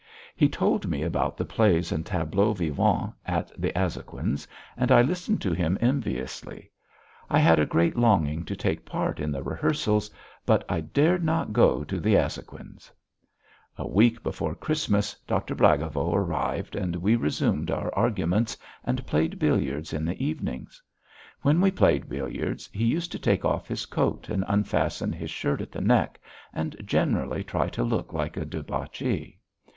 He told me about the plays and tableaux vivants at the Azhoguins', and I listened to him enviously. I had a great longing to take part in the rehearsals, but I dared not go to the Azhoguins'. A week before Christmas Doctor Blagovo arrived, and we resumed our arguments and played billiards in the evenings. When he played billiards he used to take off his coat, and unfasten his shirt at the neck, and generally try to look like a debauchee.